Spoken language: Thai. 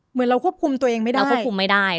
เหมือนเราควบคุมตัวเองไม่ได้